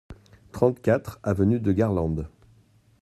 trente-quatre avenue de Garlande